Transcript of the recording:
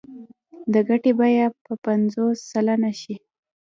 د ګټې بیه به پنځوس سلنه شي